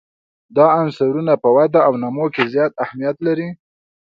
دا عنصرونه په وده او نمو کې زیات اهمیت لري.